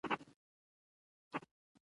د احمد سترګې مړې دي؛ د وږي کار نه کوي.